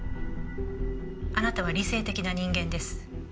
あなたは理性的な人間です。